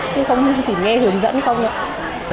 chứ không chỉ nghe hướng dẫn không ạ